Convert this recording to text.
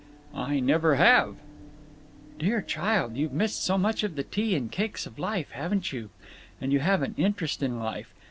"I never have." "Dear child, you've missed so much of the tea and cakes of life, haven't you? And you have an interest in life.